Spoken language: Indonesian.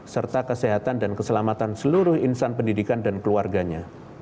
serta kesehatan dan keselamatan seluruh insan pendidikan dan keluarganya